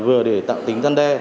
vừa để tạo tính gian đe